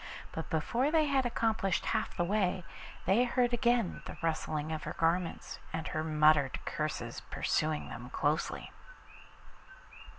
But before they had accomplished half the way they heard again the rustle of her garments and her muttered curses pursuing them closely.